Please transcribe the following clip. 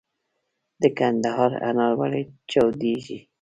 د کندهار انار ولې چاودیږي؟